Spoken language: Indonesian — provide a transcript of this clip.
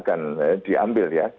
akan diambil ya